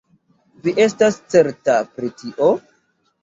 Vi estas certa pri tio?